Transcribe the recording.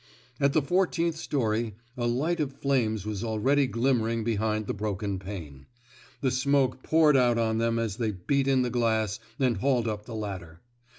At the fourteenth story, a light of flames was already glinmaering behind the broken pane. The smoke poured out on them as they beat in the glass and hauled up the ladder.